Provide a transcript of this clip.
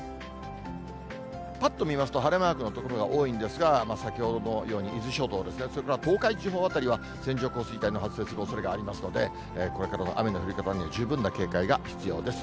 ぱっと見ますと、晴れマークの所が多いんですが、先ほどのように、伊豆諸島ですね、それから東海地方辺りは、線状降水帯の発生するおそれがありますので、これからの雨の降り方には十分な警戒が必要です。